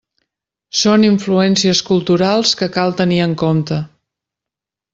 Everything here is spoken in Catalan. Són influències culturals que cal tenir en compte.